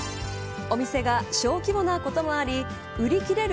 お店が小規模なこともあり売り切れる